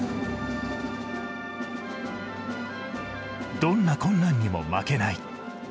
どんな困難にも負けない。